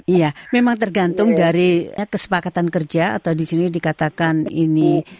iya memang tergantung dari kesepakatan kerja atau di sini dikatakan ini